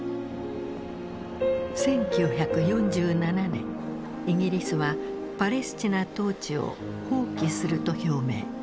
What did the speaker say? １９４７年イギリスはパレスチナ統治を放棄すると表明。